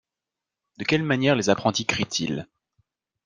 De quelle manière les apprentis crient-ils?